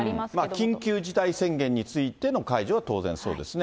緊急事態宣言についての解除は当然そうですね。